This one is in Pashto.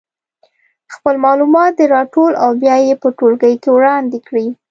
خپل معلومات دې راټول او بیا یې په ټولګي کې وړاندې کړي.